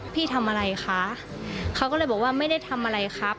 พี่ทำอะไรคะเขาก็เลยบอกว่าไม่ได้ทำอะไรครับ